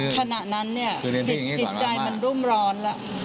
ขณะนั้นเนี่ยจิตใจมันรุ่มร้อนแล้ว